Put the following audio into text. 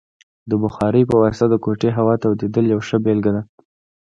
د بخارۍ په واسطه د کوټې هوا تودیدل یوه ښه بیلګه ده.